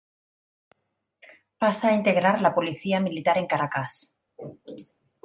Pasa a integrar la Policía Militar en Caracas.